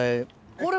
これ。